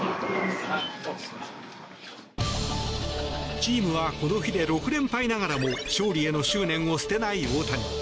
チームはこの日で６連敗ながらも勝利への執念を捨てない大谷。